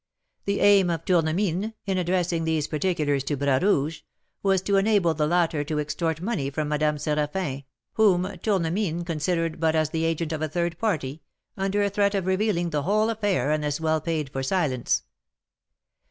"The aim of Tournemine, in addressing these particulars to Bras Rouge, was to enable the latter to extort money from Madame Séraphin, whom Tournemine considered but as the agent of a third party, under a threat of revealing the whole affair unless well paid for silence.